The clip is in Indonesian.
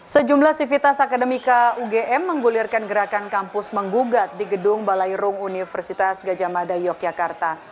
sejumlah sivitas akademika ugm menggulirkan gerakan kampus menggugat di gedung balairung universitas gajah mada yogyakarta